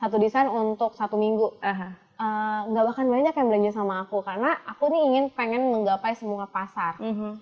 satu desain untuk satu minggu gak bahkan banyak yang belanja sama aku karena aku ini ingin pengen menggapai semua pasar